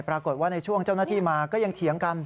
ปรากฏว่าในช่วงเจ้าหน้าที่มาก็ยังเถียงกัน